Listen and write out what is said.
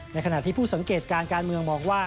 ขณะที่ผู้สังเกตการการเมืองมองว่า